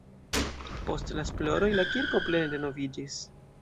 Post la esploroj la kirko plene renoviĝis.